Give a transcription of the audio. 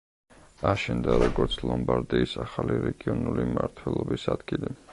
აშენდა როგორც ლომბარდიის ახალი რეგიონული მმართველობის ადგილი.